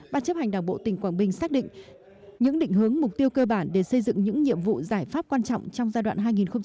bà chấp hành đảng bộ tỉnh quảng bình xác định những định hướng mục tiêu cơ bản để xây dựng những nhiệm vụ giải pháp quan trọng trong giai đoạn hai nghìn hai mươi hai nghìn hai mươi năm